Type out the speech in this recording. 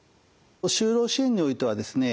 就労支援においてはですね